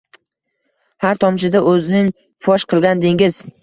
Har tomchida o’zin fosh qilgan dengiz